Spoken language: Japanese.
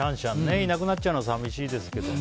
いなくなっちゃうの寂しいですけどね。